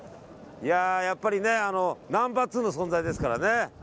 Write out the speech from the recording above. やっぱりナンバー２の存在ですからね。